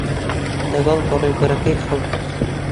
لەگەڵ بەڕێوەبەرەکەی خەوت.